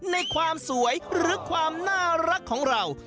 ในความสวยหรือความน่ารักของเรา